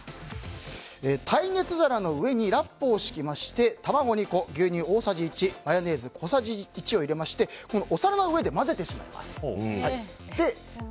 耐熱皿の上にラップを敷きまして卵２個、牛乳大さじ１マヨネーズ小さじ１を入れましてお皿の上で混ぜてしまいます。